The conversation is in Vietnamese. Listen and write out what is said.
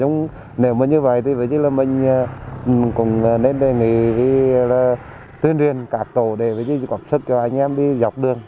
nếu như vậy thì mình cũng nên đề nghị tuyên truyền cả tổ để có sức cho anh em đi dọc đường